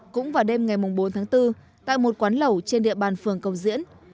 cũng vào đêm ngày bốn tháng bốn tại một quán lẩu trên địa bàn phường cầu diễn